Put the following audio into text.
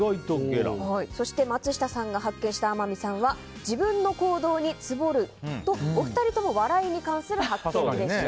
そして松下さんが発見した天海さんは自分の行動にツボるとお二人とも笑いに関する発見でした。